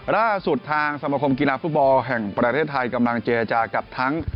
ล่าสุดทางสมคมกีฬาฟุตบอลแห่งประเทศไทยกำลังเจรจากับทั้ง